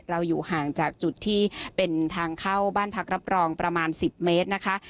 อยู่ห่างจากจุดที่เป็นทางเข้าบ้านพักรับรองประมาณ๑๐เมตรนะคะ